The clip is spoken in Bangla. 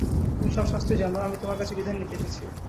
তুমি সব শাস্ত্রই জান, আমি তোমার কাছে বিধান নিতে এসেছি।